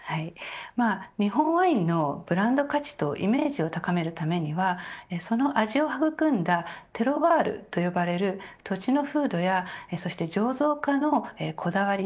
日本ワインのブランド価値とイメージを高めるためにはその味を育んだテロワールと呼ばれる土地の風土やそして醸造家のこだわり